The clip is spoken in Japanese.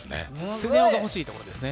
スネ夫が欲しいところですね。